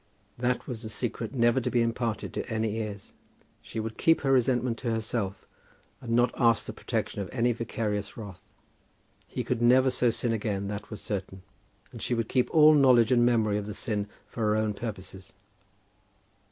That was a secret never to be imparted to any ears. She would keep her resentment to herself, and not ask the protection of any vicarious wrath. He could never so sin again, that was certain; and she would keep all knowledge and memory of the sin for her own purposes.